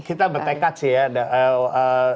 kita bertekad sih ya